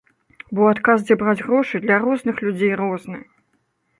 Бо адказ, дзе браць грошы, для розных людзей розны.